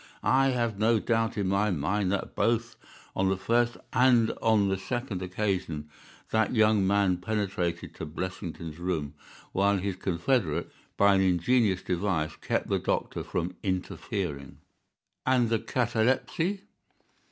I have no doubt in my mind that both on the first and on the second occasion that young man penetrated to Blessington's room, while his confederate, by an ingenious device, kept the doctor from interfering." "And the catalepsy?"